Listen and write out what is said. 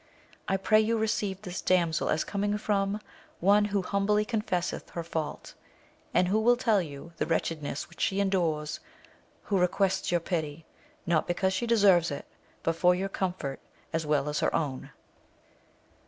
I pray you receive this damsel as coming from one who humbly confesseth her fault, and who will tell you the wretchedness which she endures who requests your pity, not because she deserves it, but for your comfort, as well as her own.